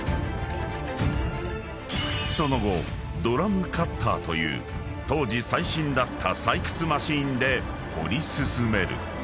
［その後ドラムカッターという当時最新だった採掘マシンで掘り進める］